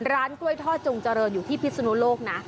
ร้านกล้วยทอดจงเจริญอยู่ที่พิศนุโลกนะ